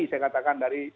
saya katakan dari